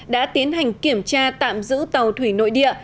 đã tiến hành kiểm tra tạm giữ tàu thủy nội địa